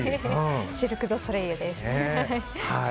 シルク・ドゥ・ソレイユです。